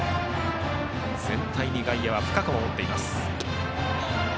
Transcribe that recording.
全体に外野は深く守っています。